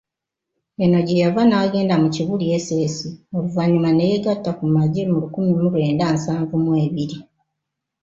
Eno gyeyava nagenda mu Kibuli SS oluvanyuma neyeegatta ku magye mu lukumi lwenda nsanvu mwe ebiri.